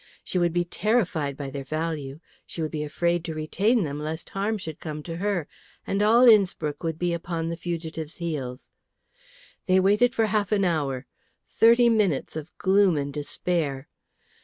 She would be terrified by their value; she would be afraid to retain them lest harm should come to her; and all Innspruck would be upon the fugitives' heels. They waited for half an hour, thirty minutes of gloom and despair.